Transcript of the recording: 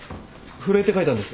震えて書いたんです。